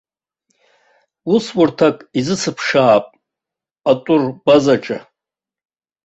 Усурҭак изысыԥшаап атурбазаҿы.